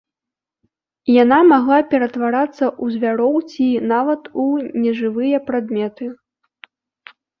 Яна магла ператварацца ў звяроў ці нават у нежывыя прадметы.